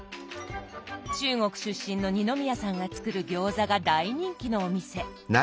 中国出身の二宮さんが作る餃子が大人気のお店。